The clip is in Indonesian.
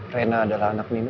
rena adalah anak nino